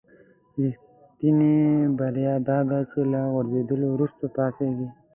رښتینې بریا داده چې له غورځېدلو وروسته پاڅېږئ.